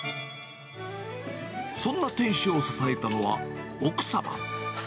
そんな店主を支えたのは、奥様。